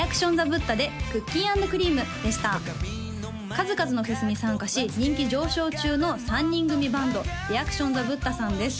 数々のフェスに参加し人気上昇中の３人組バンドリアクションザブッタさんです